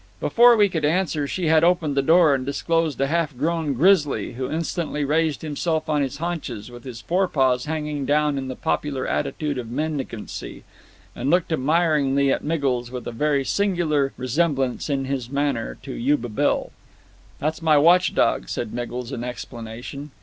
Before we could answer she had opened the door, and disclosed a half grown grizzly, who instantly raised himself on his haunches, with his forepaws hanging down in the popular attitude of mendicancy, and looked admiringly at Miggles, with a very singular resemblance in his manner to Yuba Bill. "That's my watch dog," said Miggles, in explanation.